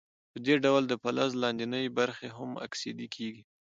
په دې ډول د فلز لاندینۍ برخې هم اکسیدي کیږي.